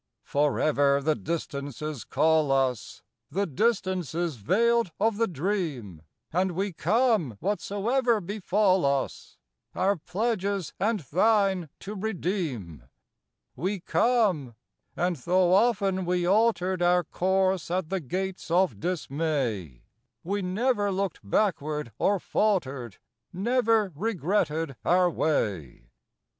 Forever the Distances call us— The Distances veiled of the Dream; And we come, whatsoever befall us, Our pledges and thine to redeem. We come; and though often we altered Our course at the gates of dismay, We never looked backward or faltered. Never regretted our way.